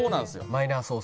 「マイナー」